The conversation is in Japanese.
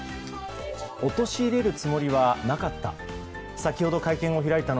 陥れるつもりはなかった。